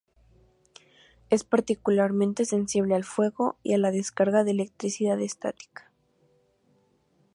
Es particularmente sensible al fuego y a la descarga de electricidad estática.